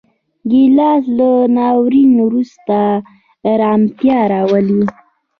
ګیلاس له ناورین وروسته ارامتیا راولي.